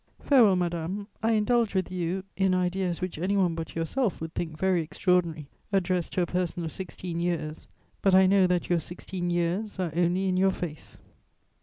"Farewell, madame; I indulge with you in ideas which anyone but yourself would think very extraordinary addressed to a person of sixteen years; but I know that your sixteen years are only in your face."